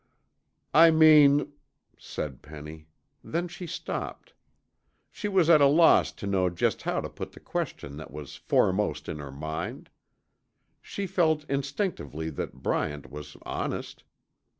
"I mean " said Penny. Then she stopped. She was at a loss to know just how to put the question that was foremost in her mind. She felt instinctively that Bryant was honest.